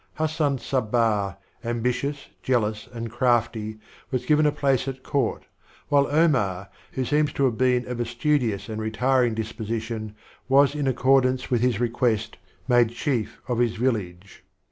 Hassan Sabbdh, ambitious, jealous and crafty, was given a place at Court, while Omar, who seems to have been of a studious and retiring disposition, was in accordance with his request, made chief of his village.